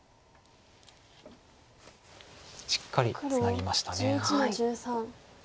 しっかりツナぎました。